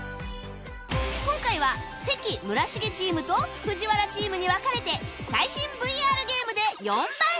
今回は関・村重チームと ＦＵＪＩＷＡＲＡ チームに分かれて最新 ＶＲ ゲームで４番勝負！